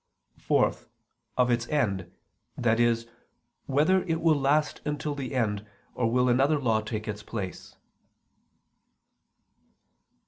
(4) Of its end: i.e. whether it will last until the end, or will another law take its place?